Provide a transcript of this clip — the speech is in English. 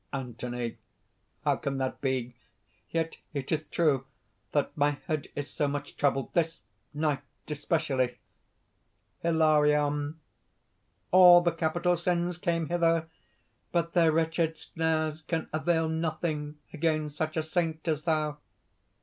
ANTHONY. "How can that be? Yet it is true that my head is so much troubled this night especially." HILARION. "All the Capital Sins came hither. But their wretched snares can avail nothing against such a Saint as thou."